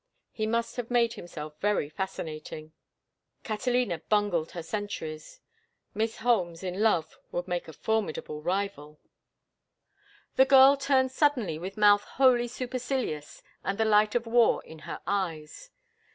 He must have made himself very fascinating! Catalina bungled her centuries; Miss Holmes in love would make a formidable rival. The girl turned suddenly with mouth wholly supercilious and the light of war in her eyes.